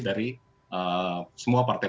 dari semua partai